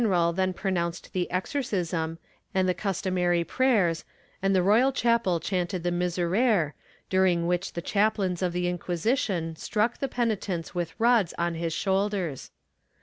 148 HARSHER PENALTIES [Book VII then pronounced the exorcism and the customary prayers and the royal chapel chanted the Miserere, during which the chaplains of the Inquisition struck the penitents with rods on the shoulders.